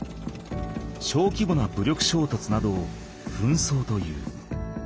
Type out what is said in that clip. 小規模な武力衝突などを紛争という。